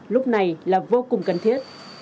lúc này là vô cùng cần thiết